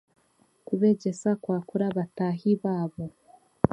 Kubeegyesa kwakura bataahi baabo